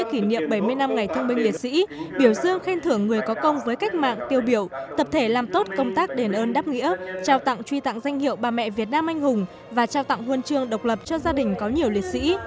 kỷ niệm bảy mươi năm ngày thương binh liệt sĩ biểu dương khen thưởng người có công với cách mạng tiêu biểu tập thể làm tốt công tác đền ơn đáp nghĩa trao tặng truy tặng danh hiệu bà mẹ việt nam anh hùng và trao tặng huân chương độc lập cho gia đình có nhiều liệt sĩ